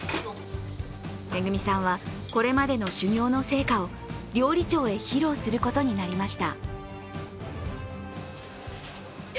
恵さんはこれまでの修業の成果を料理長へ披露することになりました。